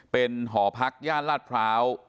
เป็นหอพักย่านลาดพร้าว